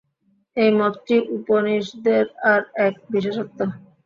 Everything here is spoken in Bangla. এই মতটি উপনিষদের আর এক বিশেষত্ব।